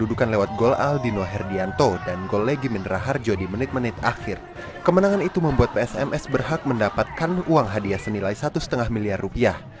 uang hadiah senilai satu lima miliar rupiah